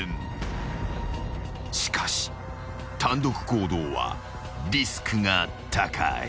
［しかし単独行動はリスクが高い］